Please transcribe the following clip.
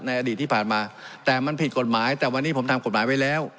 อดีตที่ผ่านมาแต่มันผิดกฎหมายแต่วันนี้ผมทำกฎหมายไว้แล้ว